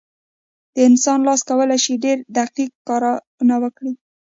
د انسان لاس کولی شي ډېر دقیق کارونه وکړي.